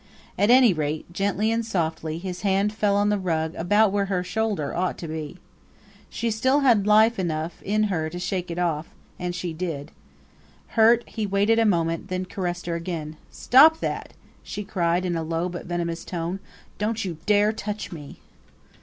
At any rate, gently and softly, his hand fell on the rug about where her shoulder ought to be. She still had life enough left in her to shake it off and she did. Hurt, he waited a moment, then caressed her again. "Stop that!" she cried in a low but venomous tone. "Don't you dare touch me!"